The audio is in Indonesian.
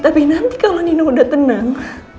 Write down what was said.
tapi nanti kalau nino udah tenang